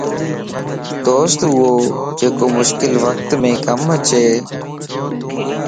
دوست ايو جيڪو مشڪل وقتم ڪم اچي